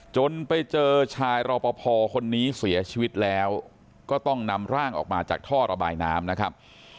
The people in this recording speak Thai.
จนไปเจอชายรอปภคนนี้เสียชีวิตแล้วก็ต้องนำร่างออกมาจากท่อระบายน้ำนะครับ